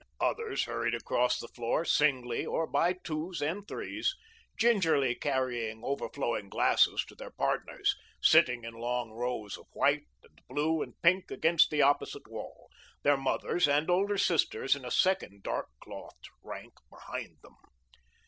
Others hurried across the floor singly or by twos and threes, gingerly carrying overflowing glasses to their "partners," sitting in long rows of white and blue and pink against the opposite wall, their mothers and older sisters in a second dark clothed rank behind them.